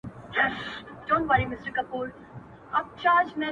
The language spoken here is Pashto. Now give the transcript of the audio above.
جالبه دا ده یار چي مخامخ جنجال ته ګورم،